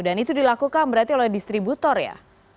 dan itu dilakukan berarti oleh distributor ya